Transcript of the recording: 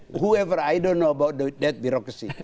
siapa pun saya tidak tahu tentang birokrasi itu